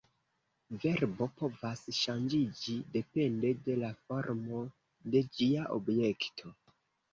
Verbo povas ŝanĝiĝi depende de la formo de ĝia objekto.